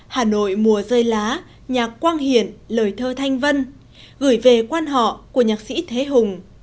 hà nội mùa rơi lá nhạc quang hiền lời thơ thanh vân gửi về quan họ của nhạc sĩ thế hùng